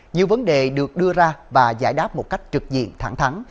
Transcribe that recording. nhiều vấn đề được đưa ra và giải đáp một cách trực diện thẳng thắng